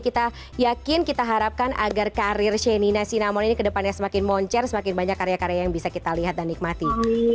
kita yakin kita harapkan agar karir shenina sinamon ini kedepannya semakin moncer semakin banyak karya karya yang bisa kita lihat dan nikmati